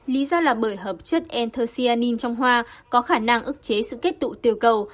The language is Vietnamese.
lý do là bởi hợp chất etherin trong hoa có khả năng ức chế sự kết tụ tiêu cầu